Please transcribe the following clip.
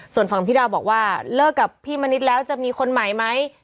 ส่วนฝั่งพี่ดาวบอกว่าเลิกกับพี่มณิษฐ์แล้วจะมีคนใหม่ไหม